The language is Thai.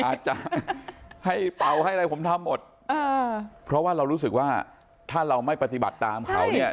อาจจะให้เป่าให้อะไรผมทำหมดอ่าเพราะว่าเรารู้สึกว่าถ้าเราไม่ปฏิบัติตามเขาเนี่ย